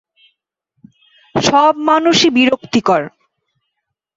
সব মানুষই বিরক্তিকর।